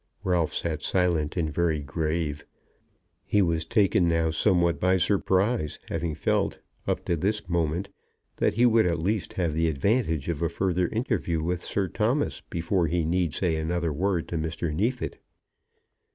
Ralph sat silent, and very grave. He was taken now somewhat by surprise, having felt, up to this moment, that he would at least have the advantage of a further interview with Sir Thomas, before he need say another word to Mr. Neefit.